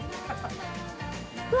うわ！